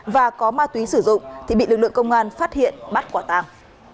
và có ma túy sử dụng thì bị lực lượng công an phát hiện bắt quả tàng